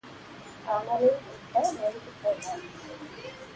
அனலில் இட்ட மெழுகுபோல.